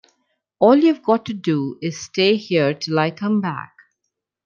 All you’ve got to do is to stay here till I come back.